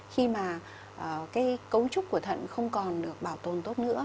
khi mà cái cấu trúc của thận không còn được bảo tồn tốt nữa